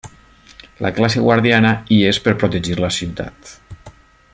La classe guardiana hi és per protegir la ciutat.